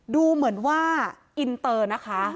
ดูเหมือนว่าอินเตอร์นะคะ